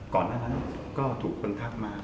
ก่อนหน้านั้นก็ถูกคนทักมา